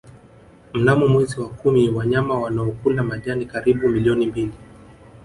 Mnamo mwezi wa kumi wanyama wanaokula majani karibu milioni mbili